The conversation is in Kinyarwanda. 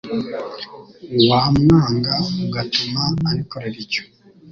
wamwanga ugatuma abikorera icyo